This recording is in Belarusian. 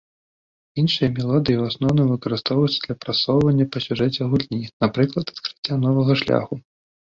Іншыя мелодыі ў асноўным выкарыстоўваюцца для прасоўвання па сюжэце гульні, напрыклад, адкрыцця новага шляху.